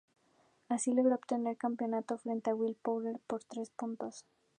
Así logró obtener el campeonato frente a Will Power por tres puntos.